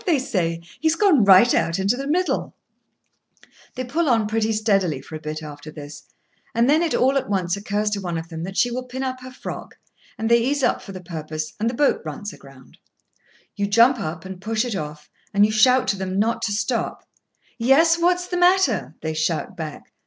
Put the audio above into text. they say; "he's gone right out into the middle." [Picture: Lady pinning up frock] They pull on pretty steadily for a bit, after this, and then it all at once occurs to one of them that she will pin up her frock, and they ease up for the purpose, and the boat runs aground. You jump up, and push it off, and you shout to them not to stop. "Yes. What's the matter?" they shout back.